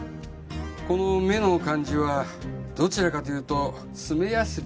この目の感じはどちらかというと爪ヤスリに近そうだね。